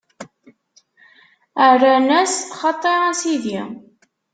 Rran-as: Xaṭi a Sidi!